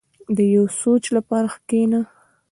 • د یو سوچ لپاره کښېنه.